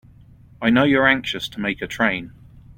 I know you're anxious to make a train.